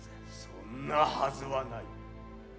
そんなはずはない。